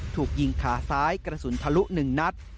ถูกยิงขาซ้ายกระสุนทะลุ๑นัด